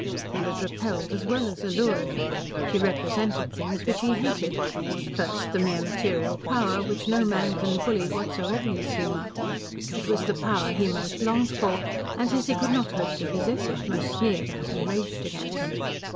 He was repelled as well as allured. She represented things which he hated. First, the mere material power, which no man can bully, whatsoever his humour. It was the power he most longed for and, as he could not hope to possess it, most sneered at and raged against.